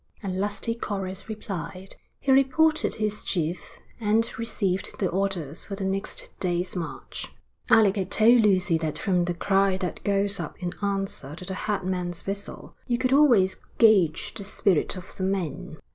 A lusty chorus replied. He reported to his chief and received the orders for the next day's march. Alec had told Lucy that from the cry that goes up in answer to the headman's whistle, you could always gauge the spirit of the men.